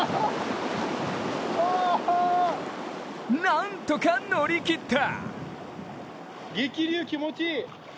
なんとか乗り切った！